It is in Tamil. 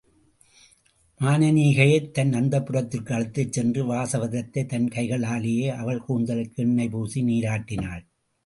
மானனீகையைத் தன் அந்தப்புரத்திற்கு அழைத்துச் சென்று வாசவதத்தை தன் கைகளாலேயே அவள் கூந்தலுக்கு எண்ணெய் பூசி நீராட்டினாள்.